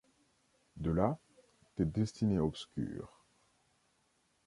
De là des destinées obscures.